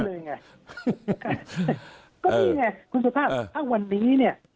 ก็นี่ไงคุณสุภาพถ้าวันนี้เนี่ย